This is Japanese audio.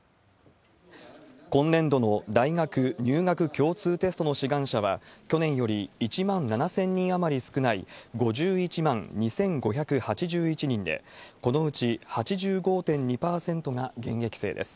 今年度の大学入学共通テストの志願者は、去年より１万７０００人余り少ない、５１万２５８１人で、このうち８５．２％が現役生です。